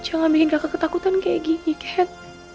jangan bikin kakak ketakutan kayak gini kehet